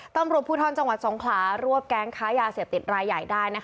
ต้นบุอบผู้ท่อนจังหวัดสงขลารวบแก๊งค้ายาเสียบติดรายใหญ่ได้